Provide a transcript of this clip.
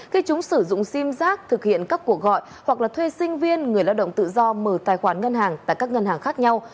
khi chúng sử dụng sim giác thực hiện các cuộc gọi hoặc là thuê sinh viên người lao động tự do mở tài khoản ngân hàng tại các ngân hàng khác nhau